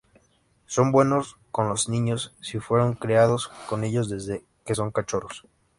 Son buenos con los niños si fueron criados con ellos desde que son cachorros.